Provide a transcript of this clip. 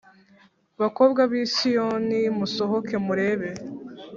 bakobwa b ‘i Siyoni musohoke murebe